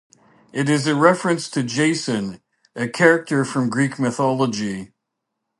It is a reference to Jason, a character from Greek mythology.